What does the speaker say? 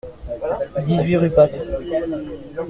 dix-huit rue Path